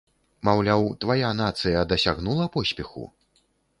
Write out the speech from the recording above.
Маўляў, твая нацыя дасягнула поспеху?